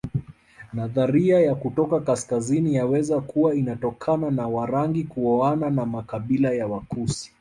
Nadharia ya kutoka kaskazini yaweza kuwa inatokana na Warangi kuoana na makabila ya Wakushi